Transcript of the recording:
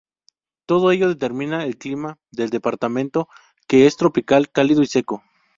Todo ello determina el clima del departamento, que es tropical, cálido y seco.